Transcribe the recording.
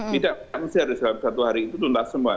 tidak selalu satu hari itu tuntas semua